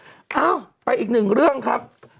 เอ้าไปอีกหนึ่งเรื่องครับ